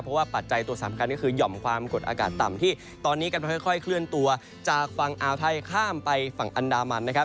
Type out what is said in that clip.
เพราะว่าปัจจัยตัวสำคัญก็คือห่อมความกดอากาศต่ำที่ตอนนี้กำลังค่อยเคลื่อนตัวจากฝั่งอ่าวไทยข้ามไปฝั่งอันดามันนะครับ